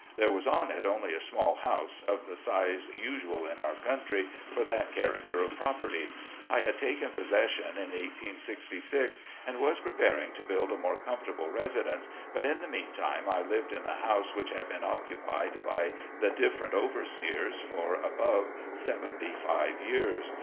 There was on it only a small house, of the size usual in our country for that character of property. I had taken possession in 1866, and was preparing to build a more comfortable residence, but in the meantime I lived in the house which had been occupied by the differ ent overseers for about seventy five years.